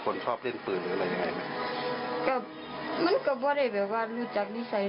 ก่อนหน้านั้นเขาพูดอะไรกับเราบ้างไหม